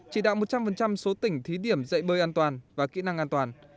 chỉ đạo một trăm linh số tỉnh thí điểm dạy bơi an toàn và kỹ năng an toàn